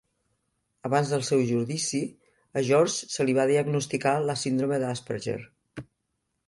Abans del seu judici, a George se li va diagnosticar la síndrome d'Asperger.